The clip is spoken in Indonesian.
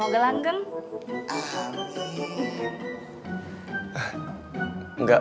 ayolah jangan kejam